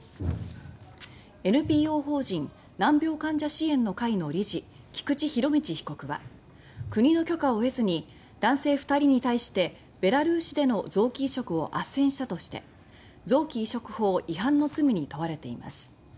ＮＰＯ法人・難病患者支援の会の理事菊池仁達被告は国の許可を得ずに男性２人に対してベラルーシでの臓器移植をあっせんしたとして臓器移植法違反の罪に問われています。